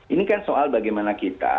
ini kan soal bagaimana kita